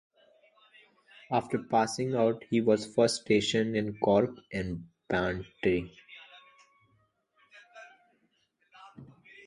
After passing out he was first stationed in Cork and Bantry.